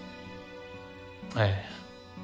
ええ。